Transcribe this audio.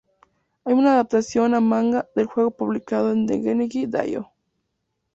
Hay una adaptación a manga del juego publicada en Dengeki Daioh.